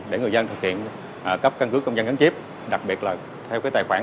để người dân thực hiện cấp căn cứ công dân gắn chip đặc biệt là theo tài khoản